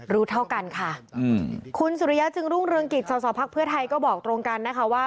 รู้เท่ากันค่ะคุณสุริยะจึงรุ่งเรืองกิจสอสอพักเพื่อไทยก็บอกตรงกันนะคะว่า